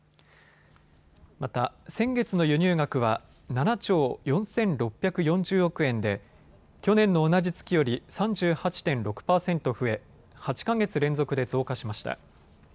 また、先月の輸入額は７兆４６４０億円で去年の同じ月より３８．６％増え８か月連続で増加しました。